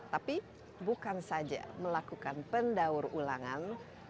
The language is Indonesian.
tapi bukan saja melakukan pendaur ulangan